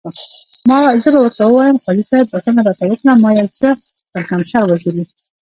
زه به ورته ووایم، قاضي صاحب بخښنه راته وکړه، ما یو سر پړکمشر وژلی.